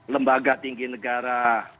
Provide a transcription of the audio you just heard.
lembaga tinggi negara